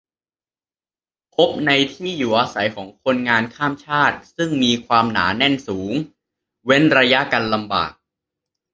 พบในที่อยู่อาศัยของคนงานข้ามชาติ ซึ่งมีความหนาแน่นสูง เว้นระยะกันลำบาก